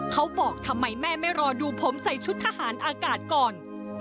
เขาบอกทำไมแม่ไม่รอดูผมใส่ชุดทหารอากาศก่อน